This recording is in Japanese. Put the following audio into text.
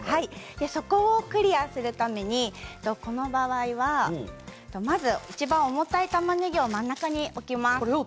そこをクリアするためにこの場合はまず、いちばん重たいたまねぎを真ん中に置きます。